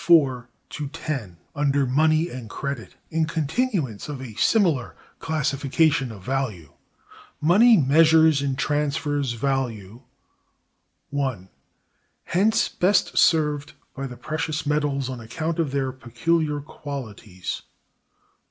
IV to X) under money and credit, in continuance of a similar classification of value: Money measures and transfers value.: (1.) Hence best served by the precious metals, on account of their peculiar qualities.